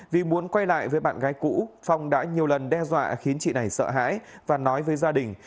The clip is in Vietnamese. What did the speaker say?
vì muốn quay lại với bạn gái cũ phong đã nhiều lần đe dọa khiến chị này sợ hãi và nói với gia đình